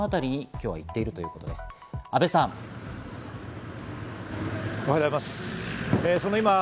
おはようございます。